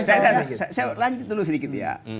saya lanjut dulu sedikit ya